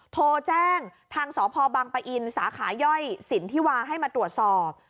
โทรแจ้งทางสพบังปะอินสาขาย่อยสินที่วาให้มาตรวจสอบ